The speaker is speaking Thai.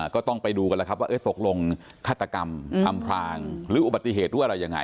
ก็ต้องไปดูกันแล้วครับว่าตกลงฆาตกรรมอำพลางหรืออุบัติเหตุหรืออะไรยังไง